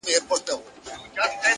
هوښیار فکر له تېرو درس اخلي!.